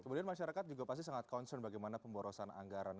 kemudian masyarakat juga pasti sangat concern bagaimana pemborosan anggaran